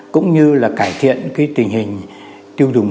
cũng như là cải thiện cái tình hình tiêu dùng